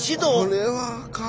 これはあかん。